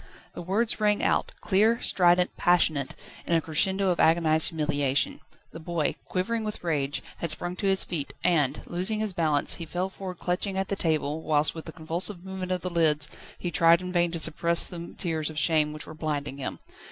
The words rang out, clear, strident, passionate, in a crescendo of agonised humiliation. The boy, quivering with rage, had sprung to his feet, and, losing his balance, he fell forward clutching at the table, whilst with a convulsive movement of the lids, he tried in vain to suppress the tears of shame which were blinding him.